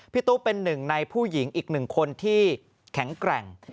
ตู้เป็นหนึ่งในผู้หญิงอีกหนึ่งคนที่แข็งแกร่ง